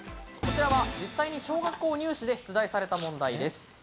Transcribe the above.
こちらは実際に小学校入試で出題された問題です。